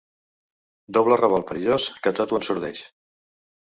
Doble revolt perillós que tot ho ensordeix.